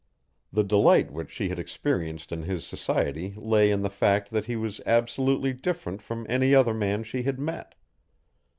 The delight which she had experienced in his society lay in the fact that he was absolutely different from any other man she had met.